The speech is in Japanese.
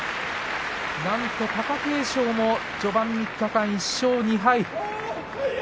なんと貴景勝も序盤３日間に１勝２敗。